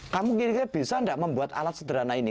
kamu kira kira bisa tidak membuat alat sederhana ini